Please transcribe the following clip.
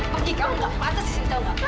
pergi kamu nggak patah disini tahu nggak